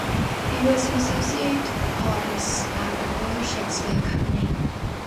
He was an Associate Artist at the Royal Shakespeare Company.